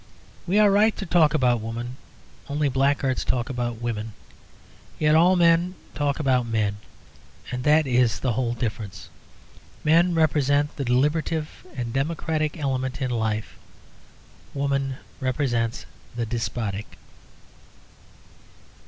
We are right to talk about "Woman;" only blackguards talk about women. Yet all men talk about men, and that is the whole difference. Men represent the deliberative and democratic element in life. Woman represents the despotic.